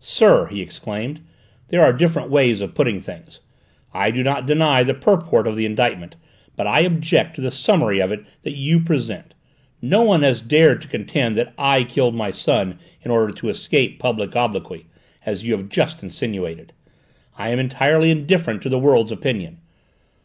"Sir," he exclaimed, "there are different ways of putting things. I do not deny the purport of the indictment, but I object to the summary of it that you present. No one has ever dared to contend that I killed my son in order to escape public obloquy, as you have just insinuated. I am entirely indifferent to the worlds opinion.